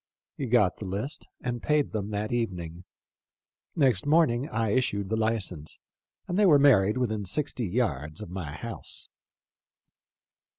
He got the list and paid them that even ing. Next morning I issued the license, and they were married within sixty yards of my house."